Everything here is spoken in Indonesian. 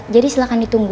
jadi silahkan ditunggu